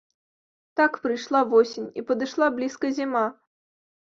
Так прыйшла восень і падышла блізка зіма.